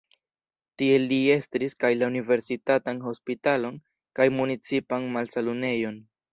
Tiel li estris kaj la universitatan hospitalon kaj municipan malsanulejon.